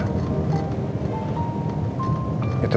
saya akan berusaha supaya reina tidak membeli satu diantara kita